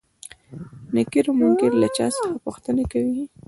نکير او منکر له چا څخه پوښتنې کوي؟